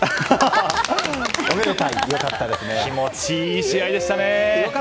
気持ちいい試合でしたね。